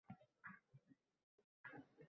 Yuvinsin – teginib ketsa yetti yot.